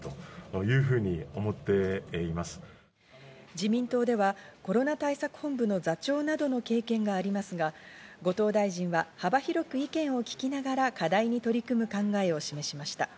自民党ではコロナ対策本部の座長などの経験がありますが後藤大臣は幅広く意見を聞きながら課題に取り組む考えを示しました。